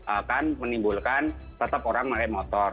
akan menimbulkan tetap orang pakai motor